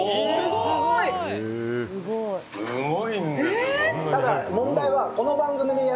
すごい！